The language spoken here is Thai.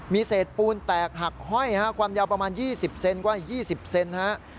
มีเศษปูนแตกหักห้อยฮะความยาวประมาณยี่สิบเซนติเมตรกว่าอีกยี่สิบเซนติเมตรฮะ